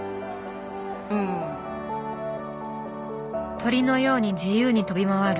鳥のように自由に飛び回る。